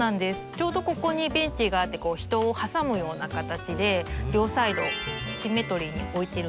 ちょうどここにベンチがあって人を挟むような形で両サイドシンメトリーに置いてるんですけど。